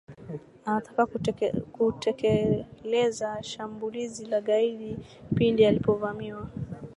anataka kutekeleza shambulizi la kigaidi pindi alipovamiwa